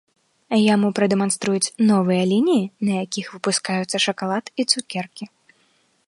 Яму прадэманструюць новыя лініі, на якіх выпускаюцца шакалад і цукеркі.